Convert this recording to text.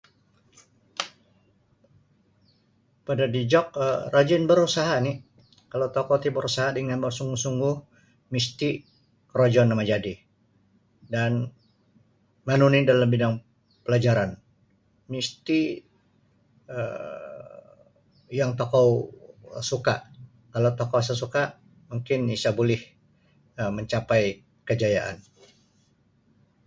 Pada dijok um rajin barusaha oni kalau tokou ti barusaha dangan barsungguh-sungguh misti korojo no majadi dan manu nini dalam bidang palajaran misti um yang tokou suka kalau tokou isa suka mungkin isa buli um mancapai kajayaan.